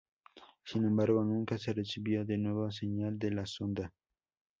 Sin embargo nunca se recibió de nuevo señal de la sonda.